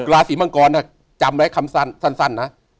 ราศีมังกรจำไว้คำสั้นนะ